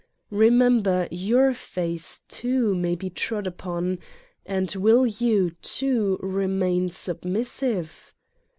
Remember your face, too, may be trod upon. And will you, too, remain submissive?